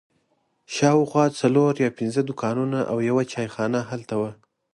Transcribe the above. شاوخوا څلور یا پنځه دوکانونه او یوه چای خانه هلته وه.